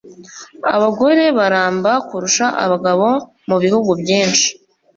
Abagore baramba kurusha abagabo mu bihugu byinshi.